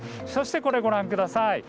そしてこちらご覧ください。